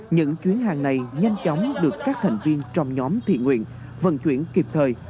những chuyến hàng này nhanh chóng được các thành viên trong nhóm thiện nguyện vận chuyển kịp thời